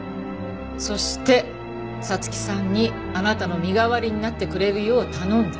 そして彩月さんにあなたの身代わりになってくれるよう頼んだ。